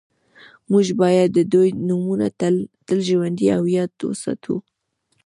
موږ باید د دوی نومونه تل ژوندي او یاد وساتو